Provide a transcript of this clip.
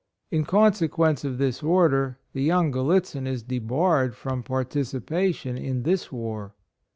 In consequence of this order, the young Grallitzin is debarred from partici pation in this war.